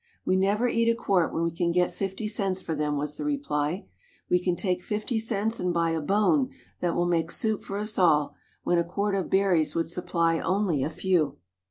"We never eat a quart when we can get fifty cents for them," was the reply. "We can take fifty cents and buy a bone that will make soup for us all, when a quart of berries would supply only a few."